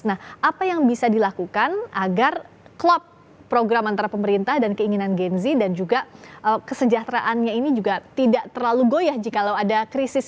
nah apa yang bisa dilakukan agar klop program antara pemerintah dan keinginan gen z dan juga kesejahteraannya ini juga tidak terlalu goyah jikalau ada krisis